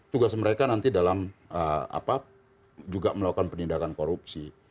tugas mereka nanti dalam juga melakukan penindakan korupsi